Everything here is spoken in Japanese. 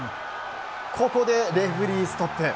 ここでレフェリーストップ。